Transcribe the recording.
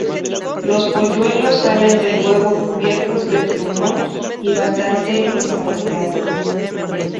Los polluelos salen del huevo cubiertos de plumón y bastante desarrollados.